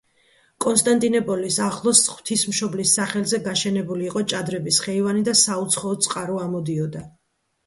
კონსტანტინეპოლის ახლოს ღვთისმშობლის სახელზე გაშენებული იყო ჭადრების ხეივანი და საუცხოო წყარო ამოდიოდა.